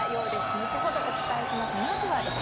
後ほどお伝えします。